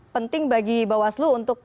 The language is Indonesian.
penting bagi bawah seluruh untuk